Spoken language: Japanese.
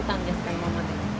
今まで？